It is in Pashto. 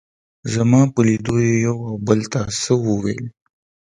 زما په لیدو یې یو او بل ته څه وویل.